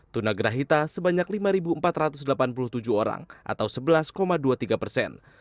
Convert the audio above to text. tunagrahita sebanyak lima empat ratus delapan puluh tujuh orang atau sebelas dua puluh tiga persen